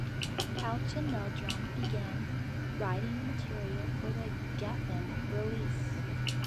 Couch and Meldrum began writing the material for the Gefffen release.